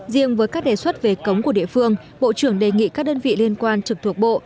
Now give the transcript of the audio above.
riêng với các đề xuất về cống của địa phương bộ trưởng đề nghị các đơn vị liên quan trực thuộc bộ